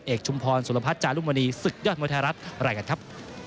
เอกชุมพรสุรพัฒน์จารุมณีศึกยศมธรรมธรรมอะไรกันครับ